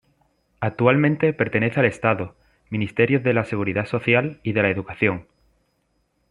Actualmente pertenece al Estado, Ministerios de la Seguridad Social y de la Educación.